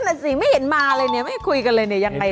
นั่นสิไม่เห็นมาเลยเนี่ยไม่คุยกันเลยเนี่ยยังไง